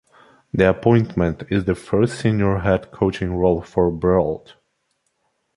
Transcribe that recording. The appointment is the first senior head coaching role for Breault.